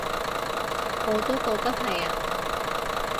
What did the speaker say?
我覺得係呀